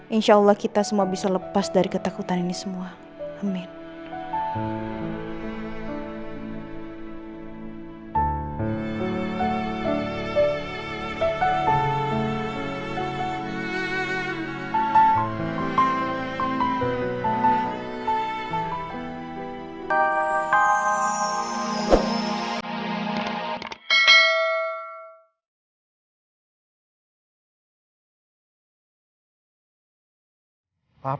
insyaallah kita semua bisa lepas dari ketakutan ini semua